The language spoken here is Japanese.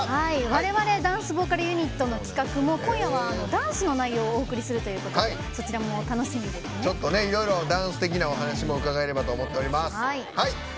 我々ダンスボーカルユニットの企画も今夜はダンスの内容をお送りするということでいろいろダンス的な話も伺えればと思っております。